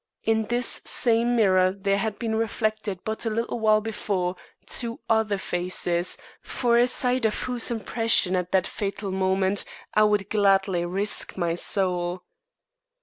In this same mirror there had been reflected but a little while before, two other faces, for a sight of whose expression at that fatal moment I would gladly risk my soul.